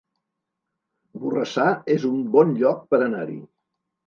Borrassà es un bon lloc per anar-hi